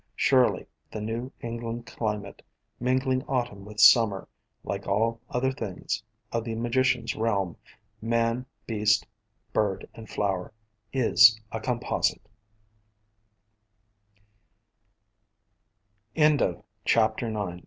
Surely the New England climate, mingling Autumn with Summer, like all other things of the Magician's realm, man, beast, bird, and flower, is a Composit